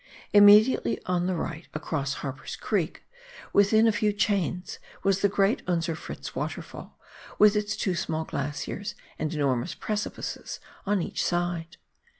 Immediately on the right, across Harper's Creek, within a few chains, was the great Unser Fritz Water fall, with its two small glaciers and enormous precipices on each side.